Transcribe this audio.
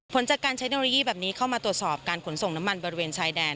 ผลจากการเทคโนโลยีแบบนี้เข้ามาตรวจสอบการขนส่งน้ำมันบริเวณชายแดน